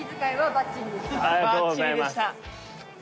バッチリでした！